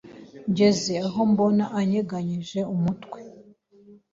ngeze aho mbona anyeganyeje umutwe